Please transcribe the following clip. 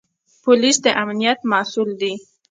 پولیس د امنیت مسوول دی